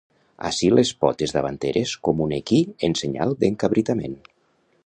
Alci les potes davanteres com un equí en senyal d'encabritament.